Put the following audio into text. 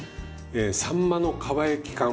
えさんまのかば焼き缶。